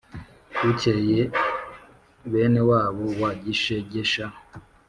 bukeye bene wabo wa gishegesha,